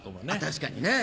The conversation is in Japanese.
確かにね。